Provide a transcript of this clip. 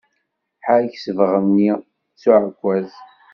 Ḥerrek ssbaɣ-nni s uεekkaz!